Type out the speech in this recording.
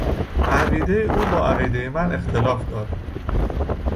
عقیدهٔ او با عقیدهٔ من اختلاف دارد.